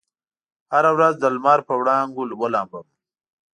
هره ورځ دلمر په وړانګو ولامبم